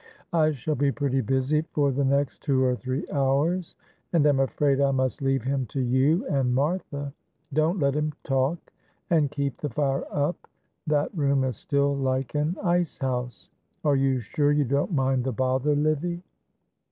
I shall be pretty busy for the next two or three hours, and am afraid I must leave him to you and Martha. Don't let him talk, and keep the fire up, that room is still like an ice house. Are you sure you don't mind the bother, Livy?"